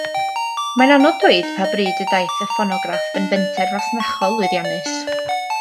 Mae'n anodd dweud pa bryd y daeth y ffonograff yn fenter fasnachol lwyddiannus.